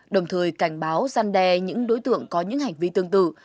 đồng thời cảnh báo gian đe những đối tượng có những hành vi tương tự